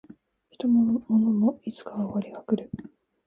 人も物もいつかは終わりが来る